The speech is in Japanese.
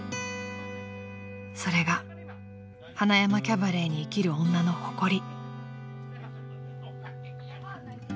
［それが塙山キャバレーに生きる女の誇り］